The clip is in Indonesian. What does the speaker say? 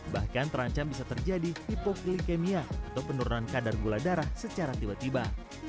bahkan terancam bisa terjadi hipoklikemia atau penurunan kadar gula darah secara tiba tiba